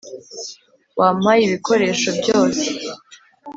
wampaye ibikoresho byose